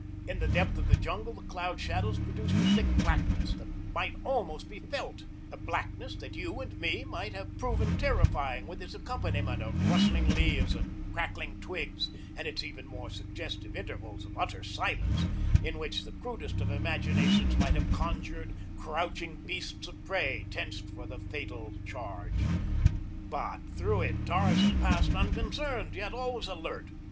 In the depth of the jungle the cloud shadows produced a thick blackness that might almost be felt a blackness that to you and me might have proven terrifying with its accompaniment of rustling leaves and cracking twigs, and its even more suggestive intervals of utter silence in which the crudest of imaginations might have conjured crouching beasts of prey tensed for the fatal charge; but through it Tarzan passed unconcerned, yet always alert.